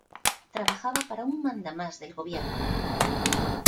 Trabajaba para un mandamás del gobierno